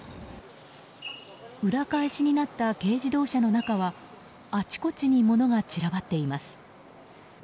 裏返しになった軽自動車の中はあちこちに物が散らばっています。